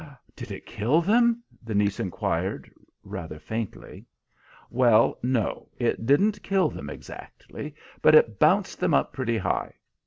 "Did it kill them?" the niece inquired, rather faintly. "Well, no, it didn't kill them exactly, but it bounced them up pretty high.